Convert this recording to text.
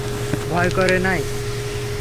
ভয় করে নাই?